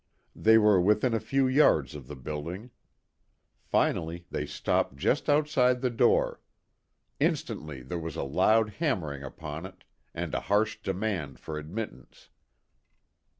They were within a few yards of the building. Finally they stopped just outside the door. Instantly there was a loud hammering upon it, and a harsh demand for admittance.